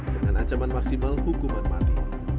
dengan ancaman maksimal hukuman mati